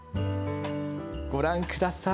ご覧ください。